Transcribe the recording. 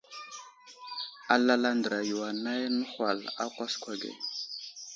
Alal andra yo anay nəhwal a kwaskwa ge.